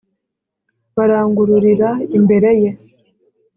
barangururira imbere ye.